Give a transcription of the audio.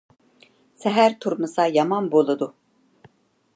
سەھەر تۇرمىسا يامان بولىدۇ.